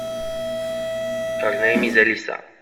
Her name is Elisa.